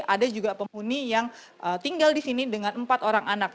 ada juga pemuni yang tinggal disini dengan empat orang anak